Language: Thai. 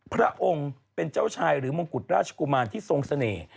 พระองค์เป็นเจ้าชายหรือมงกุฎราชกุมารที่ทรงเสน่ห์